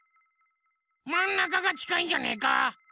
まんなかがちかいんじゃねえか？